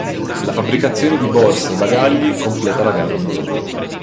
La fabbricazione di borse e bagagli completa la gamma.